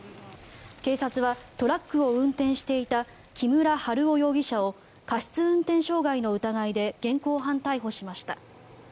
警察は、トラックを運転していた木村春夫容疑者を過失運転傷害の疑いで現行犯逮捕しました。